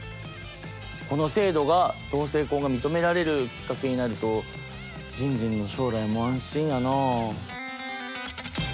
この制度が同性婚が認められるきっかけになるとじんじんの将来も安心やなあ。